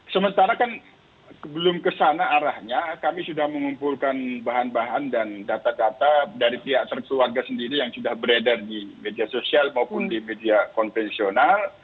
sementara kan belum kesana arahnya kami sudah mengumpulkan bahan bahan dan data data dari pihak terkeluarga sendiri yang sudah beredar di media sosial maupun di media konvensional